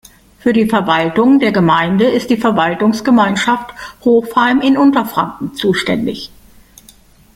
Für die Verwaltung der Gemeinde ist die Verwaltungsgemeinschaft Hofheim in Unterfranken zuständig.